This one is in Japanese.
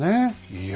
いや。